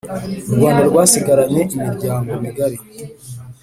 urwanda rwasigaranye imiryango migari